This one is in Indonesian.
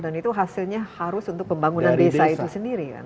dan itu hasilnya harus untuk pembangunan desa itu sendiri